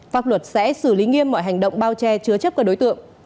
pháp luật sẽ xử lý nghiêm mọi hành động bao che chứa chấp các đối tượng